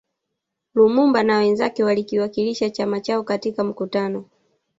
Lumumba na wenzake walikiwakilisha chama chao katika mkutano